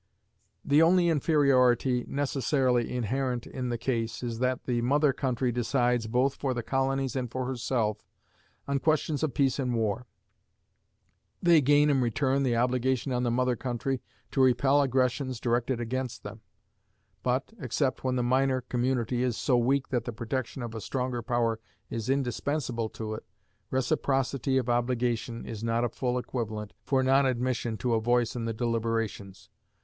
The only inferiority necessarily inherent in the case is that the mother country decides, both for the colonies and for herself, on questions of peace and war. They gain, in return, the obligation on the mother country to repel aggressions directed against them; but, except when the minor community is so weak that the protection of a stronger power is indispensable to it, reciprocity of obligation is not a full equivalent for non admission to a voice in the deliberations.